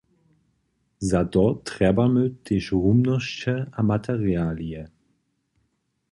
Za to trjebamy tež rumnosće a materialije.